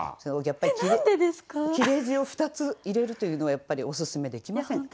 切れ字を２つ入れるというのはやっぱりおすすめできません。